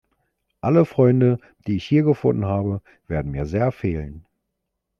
Alle Freunde, die ich hier gefunden habe, werden mir sehr fehlen.